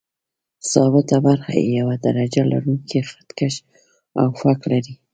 ثابته برخه یې یو درجه لرونکی خط کش او فک لري.